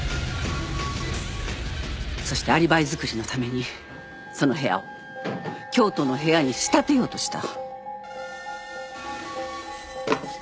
そしてアリバイ作りのためにその部屋を京都の部屋に仕立てようとした。